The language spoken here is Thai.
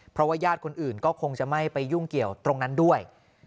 เพราะว่าญาติคนอื่นก็คงจะไม่ไปยุ่งเกี่ยวตรงนั้นด้วย